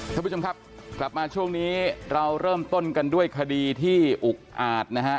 ท่านผู้ชมครับกลับมาช่วงนี้เราเริ่มต้นกันด้วยคดีที่อุกอาจนะฮะ